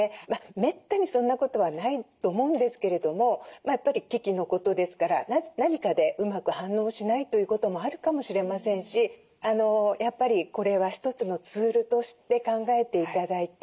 めったにそんなことはないと思うんですけれどもやっぱり機器のことですから何かでうまく反応しないということもあるかもしれませんしやっぱりこれは一つのツールとして考えて頂いて。